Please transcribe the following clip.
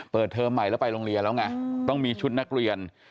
เทอมใหม่แล้วไปโรงเรียนแล้วไงต้องมีชุดนักเรียน